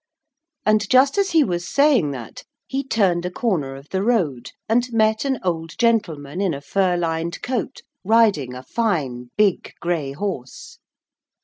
And just as he was saying that, he turned a corner of the road and met an old gentleman in a fur lined coat riding a fine, big, grey horse.